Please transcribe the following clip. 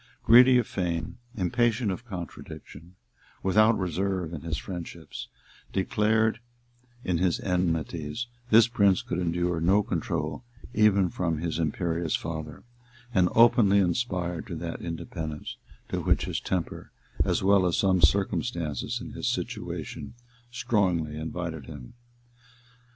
Greedy of fame, impatient of contradiction, without reserve in his friendships, declared in his enmities, this prince could endure no control even from his imperious father, and openly aspired to that independence, to which his temper, as well as some circumstances in his situation, strongly invited him.